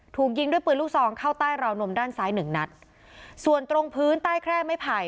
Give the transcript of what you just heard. ถูกยิงด้วยปืนลูกซองเข้าใต้ราวนมด้านซ้ายหนึ่งนัดส่วนตรงพื้นใต้แคร่ไม้ไผ่